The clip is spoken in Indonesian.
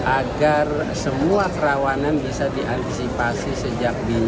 agar semua kerawanan bisa diantisipasi sejak dini